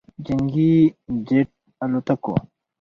جنګي جت الوتکو